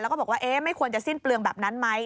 แล้วก็บอกว่าไม่ควรจะสิ้นเปลืองแบบนั้นไหม